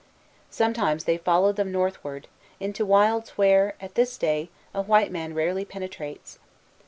Some times they followed them northward, into wilds where, at this day, a white man rarely penetrates.